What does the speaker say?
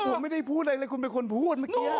ผมไม่ได้พูดอะไรเลยคุณเป็นคนพูดเมื่อกี้